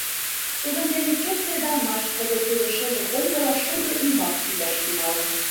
Тудын дене чот кредалмаш Кызыт тудо шыже комбыла шулдыр ӱмбак кӱзаш тӱҥалын.